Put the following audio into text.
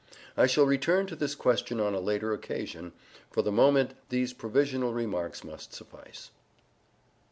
I shall return to this question on a later occasion; for the moment these provisional remarks must suffice.